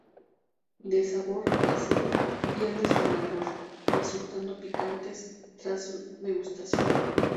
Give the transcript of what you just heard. De sabor ácido, pierde su amargor, resultando picantes tras su degustación.